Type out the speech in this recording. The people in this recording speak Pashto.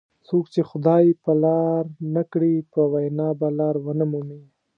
څوک چې خدای په لار نه کړي په وینا به لار ونه مومي.